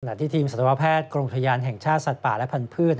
หนักที่ทีมศัตรูวะแพทย์กรุงทะยานแห่งชาติสัตว์ป่าและพันธุ์พืช